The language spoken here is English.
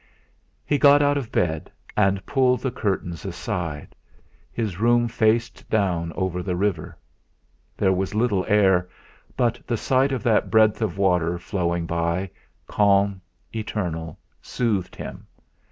He got out of bed and pulled the curtains aside; his room faced down over the river. There was little air, but the sight of that breadth of water flowing by, calm, eternal, soothed him.